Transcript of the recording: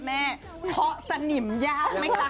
เพาะสนิมยากไหมคะ